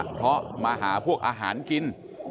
เพราะมาหาพวกอาหารกิน